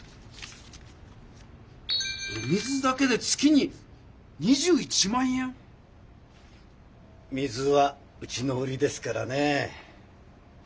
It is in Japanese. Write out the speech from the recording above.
お水だけで月に２１万円⁉水はうちの売りですからね。